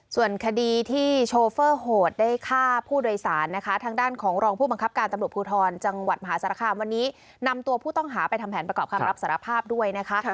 ส่วนคดีที่โชเฟอร์โหดได้ฆ่าผู้โดยสารนะคะทางด้านของรองผู้บังคับการตำรวจภูทรจังหวัดมหาสารคามวันนี้นำตัวผู้ต้องหาไปทำแผนประกอบคำรับสารภาพด้วยนะคะ